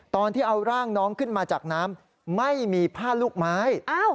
ตอนที่เอาร่างน้องขึ้นมาจากน้ำไม่มีผ้าลูกไม้